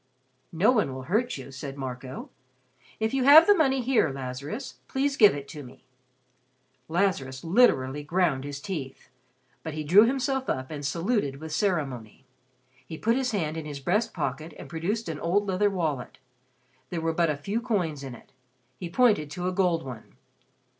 "No one will hurt you," said Marco. "If you have the money here, Lazarus, please give it to me." Lazarus literally ground his teeth. But he drew himself up and saluted with ceremony. He put his hand in his breast pocket and produced an old leather wallet. There were but a few coins in it. He pointed to a gold one.